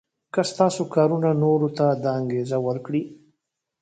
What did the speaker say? که ستاسو کارونه نورو ته دا انګېزه ورکړي.